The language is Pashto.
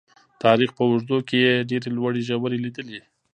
تاریخ په اوږدو کې یې ډېرې لوړې ژورې لیدلي.